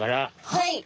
はい。